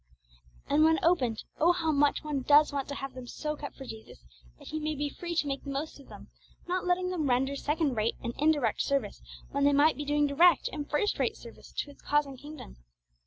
And when opened, oh, how much one does want to have them so kept for Jesus that He may be free to make the most of them, not letting them render second rate and indirect service when they might be doing direct and first rate service to His cause and kingdom!